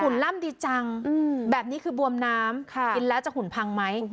ล่ำดีจังแบบนี้คือบวมน้ำกินแล้วจะหุ่นพังไหม